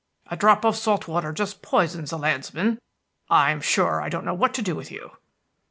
A drop of salt water just poisons a landsman. I am sure I don't know what to do with you."